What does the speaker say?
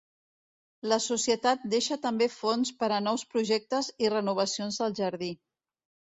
La Societat deixa també fons per a nous projectes i renovacions del jardí.